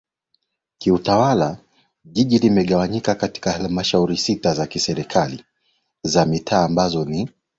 Kiutawala Jiji limegawanyika katika Halmashauri sita za Serikali za mitaa ambazo ni